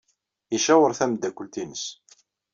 Icaweṛ tameddakelt-nnes.